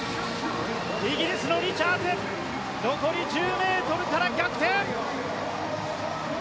イギリスのリチャーズ残り１０ｍから逆転！